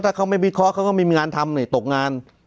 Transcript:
ถ้าเขาไม่วิเคราะห์เขาก็ไม่มีงานทำตกงาน